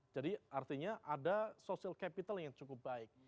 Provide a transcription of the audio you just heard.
jadi artinya ada social capital yang cukup baik